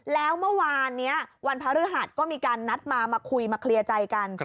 แล้วเมื่อวานนี้วันพระฤหัสก็มีการนัดมามาคุยมาเคลียร์ใจกัน